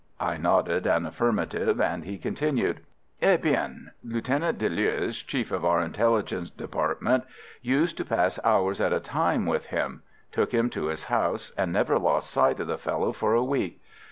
I nodded an affirmative, and he continued: "Et bien, Lieutenant Deleuze, chief of our Intelligence Department, used to pass hours at a time with him; took him to his house, and never lost sight of the fellow for a week.